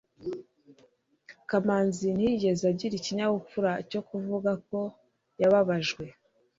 kamanzi ntiyigeze agira ikinyabupfura cyo kuvuga ko yababajwe